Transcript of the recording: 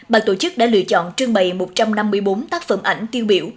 bàn tổ chức đã lựa chọn trưng bày một trăm năm mươi bốn tác phẩm ảnh tiêu biểu